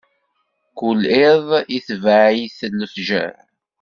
Kul iḍ, itbeɛ-it lefjer.